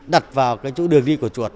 đặt vào cái chỗ đường đi của chuột